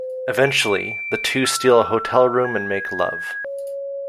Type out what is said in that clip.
Eventually, the two steal a hotel room and make love.